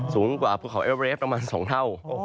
สูงกว่าภูเขาเอเวฟประมาณ๒เท่า